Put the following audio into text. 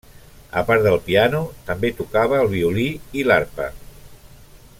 A part del piano, també tocava el violí i l'arpa.